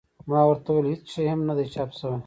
ما ورته وویل هېڅ شی هم نه دي چاپ شوي.